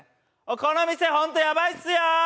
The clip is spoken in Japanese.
この店、ホント、ヤバいっすよ。